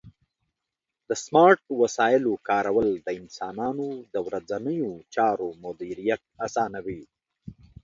د سمارټ وسایلو کارول د انسانانو د ورځنیو چارو مدیریت اسانوي.